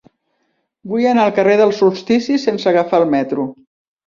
Vull anar al carrer dels Solsticis sense agafar el metro.